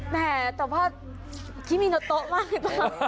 แต่ว่าคิมิโนโตะมากเลยพ่อ